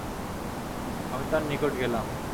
আমি তার নিকট গেলাম।